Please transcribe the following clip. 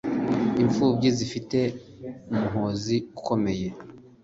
imfubyi zifite umuhozi ukomeye